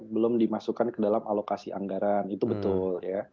belum dimasukkan ke dalam alokasi anggaran itu betul ya